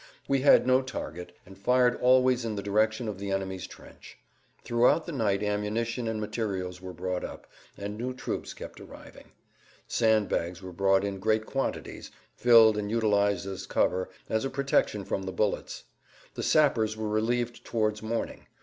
We had no target and fired always in the direction of the enemy's trench. Throughout the night ammunition and materials were brought up, and new troops kept arriving. Sand bags were brought in great quantities, filled and utilized as cover, as a protection from the bullets. The sappers were relieved towards morning.